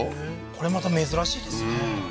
これまた珍しいですね